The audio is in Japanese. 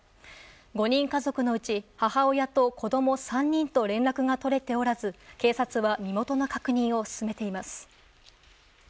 ５人家族のうち母親と子供３人と連絡が取れておらず、警察は身元の確認を進めています。